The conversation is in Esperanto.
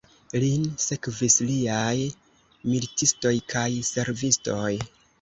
Lin sekvis liaj militistoj kaj servistoj.